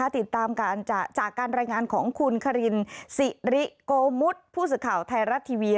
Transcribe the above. ติดตามจากการรายงานของคุณคารินสิริโกมุทผู้สื่อข่าวไทยรัฐทีวี